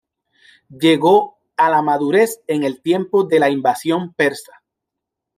Llegó a la madurez en el tiempo de la invasión persa.